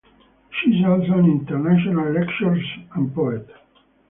She is also an international lecturer and poet.